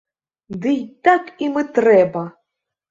Ды і так ім і трэба.